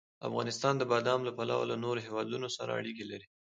افغانستان د بادام له پلوه له نورو هېوادونو سره اړیکې لري.